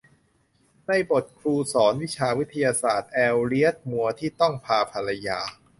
ในบทครูสอนวิชาวิทยาศาสตร์ เอลเลียต มัวร์ ที่ต้องพาภรรยา